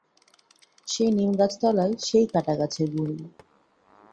সেই নিমগাছতলায় সেই কাটা গাছের গুঁড়ি।